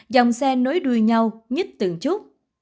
dòng xe nối đuôi nhau nhít từng chút